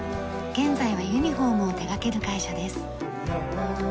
現在はユニホームを手掛ける会社です。